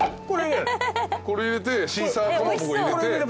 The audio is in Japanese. これ入れてシーサーかまぼこ入れて。